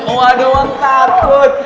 kecoh doang takut